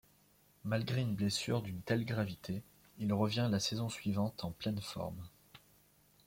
Malgré une blessure d'une telle gravité, il revient la saison suivante en pleine forme.